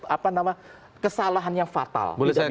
apa nama kesalahan yang fatal